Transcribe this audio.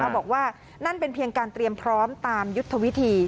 บอกว่านั่นเป็นเพียงการเตรียมพร้อมตามยุทธวิธี